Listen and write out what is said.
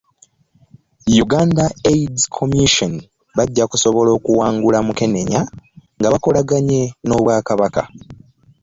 Uganda AIDS Commission bajja kusobola okuwangula Mukenenya nga bakolaganye n'obwakabaka